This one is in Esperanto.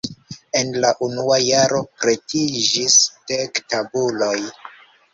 En la unua jaro pretiĝis dek tabuloj.